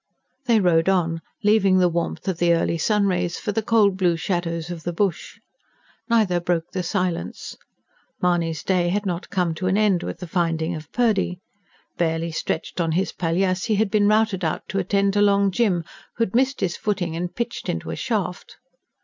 They rode on, leaving the warmth of the early sun rays for the cold blue shadows of the bush. Neither broke the silence. Mahony's day had not come to an end with the finding of Purdy. Barely stretched on his palliasse he had been routed out to attend to Long Jim, who had missed his footing and pitched into a shaft.